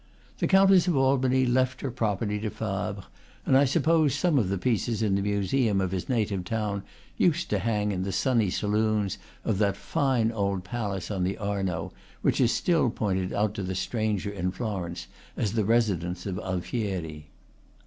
The Countess of Albany left her property to Fabre; and I suppose some of the pieces in the museum of his native town used to hang in the sunny saloons of that fine old palace on the Arno which is still pointed out to the stranger in Florence as the residence of Alfieri.